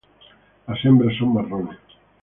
Las hembras son marrones.